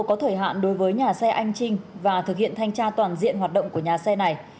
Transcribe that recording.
có thời hạn đối với nhà xe anh trinh và thực hiện thanh tra toàn diện hoạt động của nhà xe này